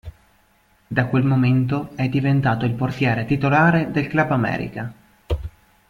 Da quel momento è diventato il portiere titolare del Club América.